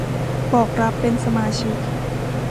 บอกรับเป็นสมาชิก